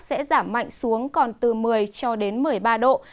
sẽ giảm mạnh xuống còn từ một mươi cho đến một mươi ba độ